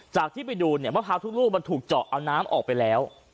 ที่ไปดูเนี่ยมะพร้าวทุกลูกมันถูกเจาะเอาน้ำออกไปแล้ว